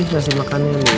kasih makannya ini